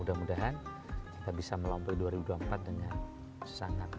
mudah mudahan kita bisa melampaui dua ribu dua puluh empat dengan sangat